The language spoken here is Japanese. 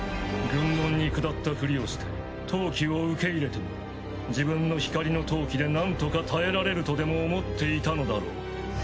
軍門にくだったふりをして闘気を受け入れても自分の光の闘気でなんとか耐えられるとでも思っていたのだろう。